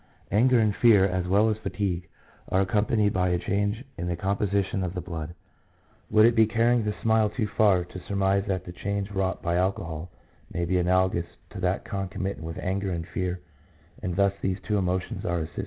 Anger and fear, as well as fatigue, are accompanied by a change in the composition of the blood. Would it be carrying the simile too far to surmise that the change wrought by alcohol may be analogous to that concomitant with anger and fear, and thus these two emotions are assisted